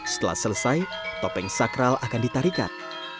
setelah selesai topeng sakral akan ditarikat